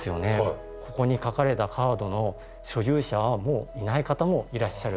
ここに書かれたカードの所有者はもういない方もいらっしゃる。